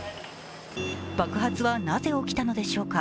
爆発はなぜ起きたのでしょうか。